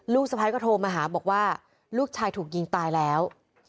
สะพ้ายก็โทรมาหาบอกว่าลูกชายถูกยิงตายแล้ว